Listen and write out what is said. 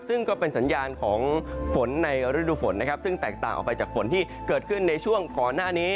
ซึ่งก็เป็นสัญญาณของฝนในฤดูฝนนะครับซึ่งแตกต่างออกไปจากฝนที่เกิดขึ้นในช่วงก่อนหน้านี้